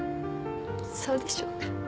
そうでしょうか。